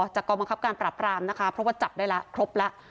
กองบังคับการปรับรามนะคะเพราะว่าจับได้แล้วครบแล้ว